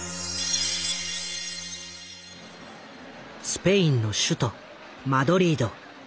スペインの首都マドリード。